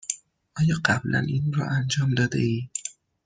آیا قبلا این را انجام داده ای؟